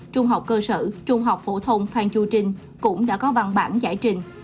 trung học cơ sở trung học phổ thông phan chu trinh cũng đã có văn bản giải trình